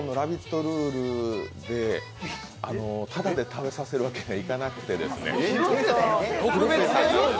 ルールでただで食べさせるわけにはいかなくて。